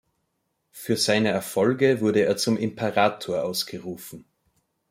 Für seine Erfolge wurde er zum Imperator ausgerufen.